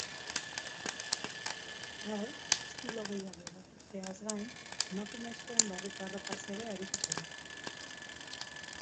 Gaur, estilo gehiago erakusteaz gain, emakumezkoen barruko arropaz ere arituko da.